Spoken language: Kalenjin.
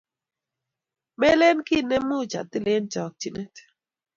melen kiy nemuch atil eng chokchinet